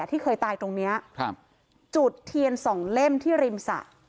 ที่เคยตายตรงเนี้ยครับจุดเทียนสองเล่มที่ริมสระ